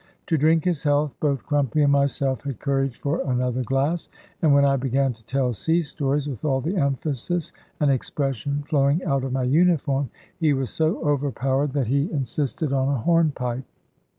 To drink his health, both Crumpy and myself had courage for another glass; and when I began to tell sea stories, with all the emphasis and expression flowing out of my uniform, he was so overpowered that he insisted on a hornpipe.